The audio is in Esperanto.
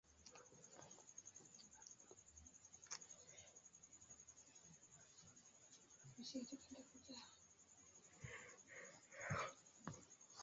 Minacate, nigraj aktoroj el Anglio, rolantaj en teatraĵo en Dublino, devis forlasi sian loĝejon.